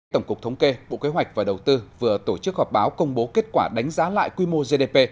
tổng cục thống kê bộ kế hoạch và đầu tư vừa tổ chức họp báo công bố kết quả đánh giá lại quy mô gdp